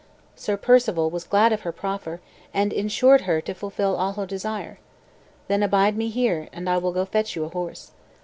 Sir Perceval was glad of her proffer, and insured her to fulfil all her desire. "Then abide me here, and I will go fetch you a horse."